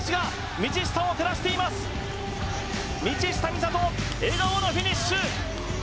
道下美里、笑顔のフィニッシュ！